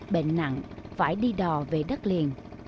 bệnh nặng phải đi đò về đất liền